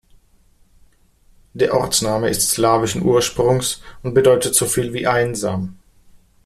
Der Ortsname ist slawischen Ursprungs und bedeutet so viel wie "einsam".